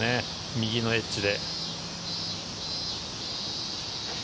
右のエッジで。